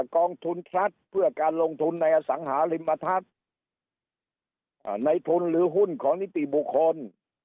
กองทุนทรัพย์เพื่อการลงทุนในอสังหาริมทัศน์ในทุนหรือหุ้นของนิติบุคคล